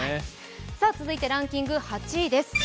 続いてランキング８位です。